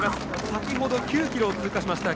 先ほど、９ｋｍを通過しました。